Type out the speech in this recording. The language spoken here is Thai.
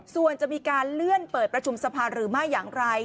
ส่วนจะมีการเลื่อนเปิดประชุมสภาหรือไม่อย่างไร